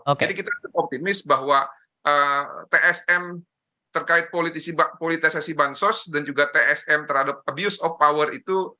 jadi kita harus optimis bahwa tsm terkait politisasi bansos dan juga tsm terhadap abuse of power itu